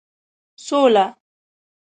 سوله